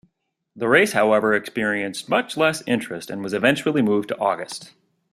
The race, however, experienced much less interest, and was eventually moved to August.